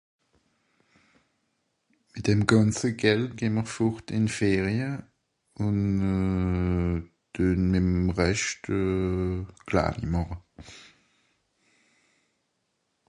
mit dem ganze Geld gehn m'r furt in Férie un euh tüen mit 'm Räscht euh Plan màche